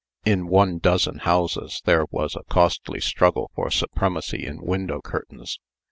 In one dozen houses there was a costly struggle for supremacy in window curtains.